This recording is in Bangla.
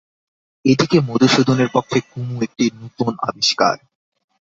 এ দিকে মধুসূদনের পক্ষে কুমু একটি নূতন আবিষ্কার।